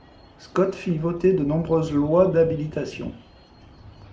Scott fit voter de nombreuses lois d'habilitation.